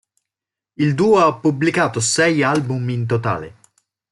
Il duo ha pubblicato sei album in totale.